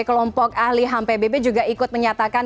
kelompok ahli ham pbb juga ikut menyatakan